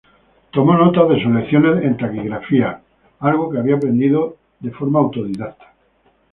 Tomó notas de sus lecciones en taquigrafía, algo que había aprendido de forma autodidacta.